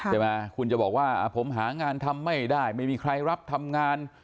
ใช่ไหมคุณจะบอกว่าผมหางานทำไม่ได้ไม่มีใครรับทำงาน